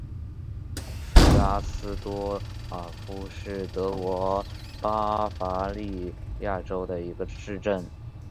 弗拉斯多尔夫是德国巴伐利亚州的一个市镇。